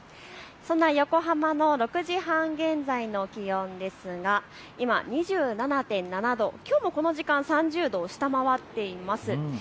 横浜の６時半現在の気温ですが今２７．７度きょうのこの時間も３０度を下回っています。